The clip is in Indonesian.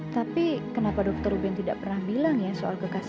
tapi kenapa dokter uben tidak pernah bilang ya soal kekerasan